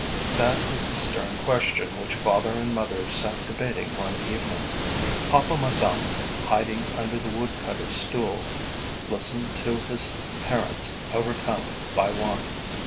That is the stern question which father and mother sat debating one evening. Hop o' my Thumb, hiding under the woodcutter's stool, listened to his parents overcome by want.